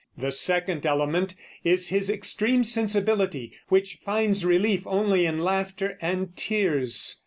The second element is his extreme sensibility, which finds relief only in laughter and tears.